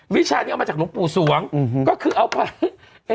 วิชานี้เอามาจากบุปุศวงก็คือเอาไป